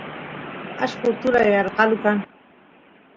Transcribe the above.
ashqo utula yarqalu kan